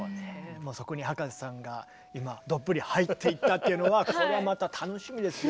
そこに葉加瀬さんが今どっぷり入っていったというのはこれはまた楽しみですよ。